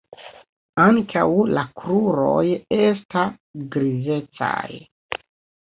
Ankaŭ la kruroj esta grizecaj.